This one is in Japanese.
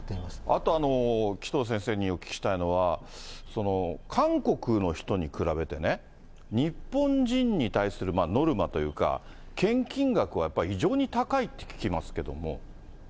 あと、紀藤先生にお聞きしたいのは、韓国の人に比べてね、日本人に対するノルマというか、献金額はやっぱり異常に高いって聞きますけども。